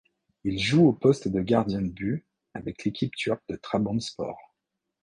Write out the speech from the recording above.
Il joue au poste de gardien de but avec l'équipe turque de Trabzonspor.